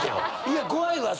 いや怖いわ。